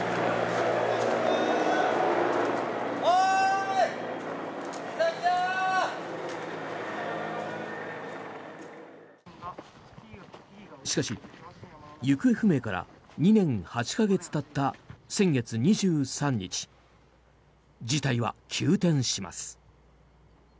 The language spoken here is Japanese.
おーい、美咲ちゃん！しかし行方不明から２年８か月たった先月２３日事態は急転します。